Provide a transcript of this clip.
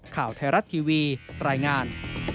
ข่าวไทยรัฐทีวีรายงาน